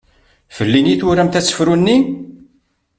Fell-i i turamt asefru-nni?